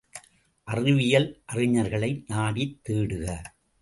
அறிவியல் அறிஞர்களை நாடித் தேடுக!